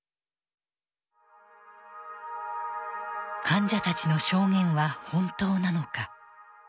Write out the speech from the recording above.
患者たちの証言は本当なのか。